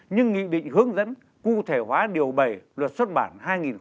nhưng nghị định hướng dẫn cụ thể hóa điều bày luật xuất bản hai nghìn một mươi hai